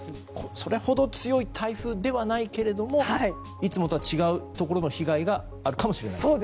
それほど強い台風ではないけれどもいつもとは違うところの被害があるかもしれないと。